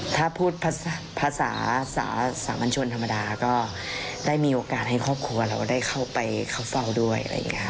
ถ้าพูดภาษาสามัญชนธรรมดาก็ได้มีโอกาสให้ครอบครัวเราได้เข้าไปเข้าเฝ้าด้วย